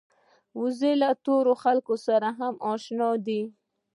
وزې له تورو خلکو سره هم اشنا ده